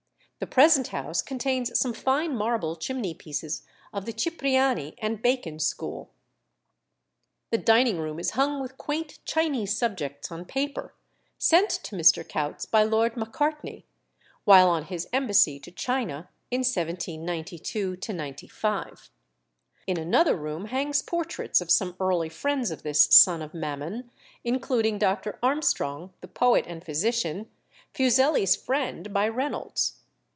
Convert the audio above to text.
The present house contains some fine marble chimney pieces of the Cipriani and Bacon school. The dining room is hung with quaint Chinese subjects on paper, sent to Mr. Coutts by Lord Macartney, while on his embassy to China, in 1792 95. In another room hang portraits of some early friends of this son of Mammon, including Dr. Armstrong, the poet and physician, Fuseli's friend, by Reynolds.